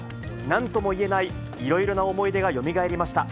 なんともいえないいろいろな思い出がよみがえりました。